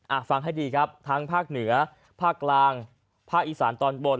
ฟังให้ดีครับทั้งภาคเหนือภาคกลางภาคอีสานตอนบน